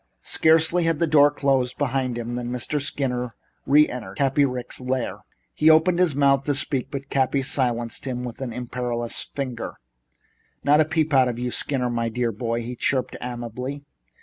Scarcely had the door closed behind him than Mr. Skinner re entered Cappy Ricks' lair. He opened his mouth to speak, but Cappy silenced him with an imperious finger. "Not a peep out of you, Skinner, my dear boy," he chirped amiably.